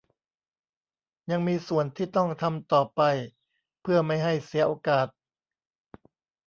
ยังมีส่วนที่ต้องทำต่อไปเพื่อไม่ให้เสียโอกาส